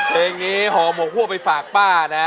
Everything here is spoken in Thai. เผื่อหัวซากร้องมัน